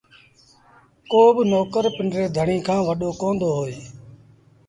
ڪو با نوڪر پنڊري ڌڻيٚ کآݩ وڏو ڪوندو هوئي